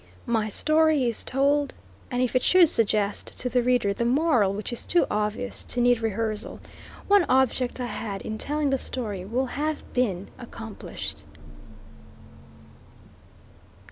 My story is told; and if it should suggest to the reader the moral which is too obvious to need rehearsal, one object I had in telling the story will have been accomplished.